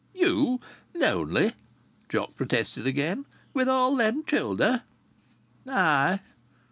"You lonely!" Jock protested again. "With all them childer?" "Ay!"